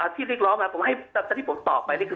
ที่เรียกร้องนะครับที่ผมตอบไปนี่คือ